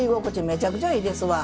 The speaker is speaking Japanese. めちゃくちゃいいですわ。